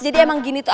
jadi emang gini tuh